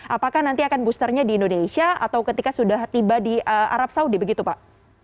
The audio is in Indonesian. apakah nanti akan boosternya di indonesia atau ketika sudah tiba di arab saudi begitu pak